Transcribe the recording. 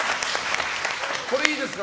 これ、いいですか。